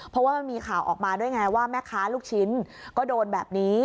เพราะว่ามันมีข่าวออกมาด้วยไงว่าแม่ค้าลูกชิ้นก็โดนแบบนี้